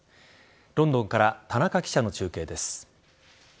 ロンドンから田中記者の中継です。